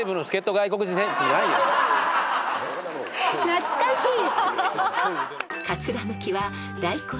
懐かしい！